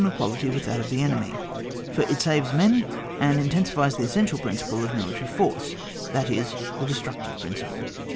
9 to mi equality with that of the enemy, for it aavee men, and intensifies the es sential principle of military force, that is, the destructive principle.